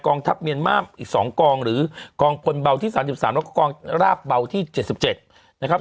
กองทัพเมียนมากอีกสองกองหรือกองคนเบาที่สามสิบสามแล้วก็กองราบเบาที่เจ็ดสิบเจ็ดนะครับ